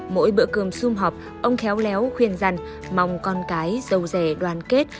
mỗi bữa cơm xung họp ông khéo léo khuyên rằng mong con cái giàu rẻ đoàn kết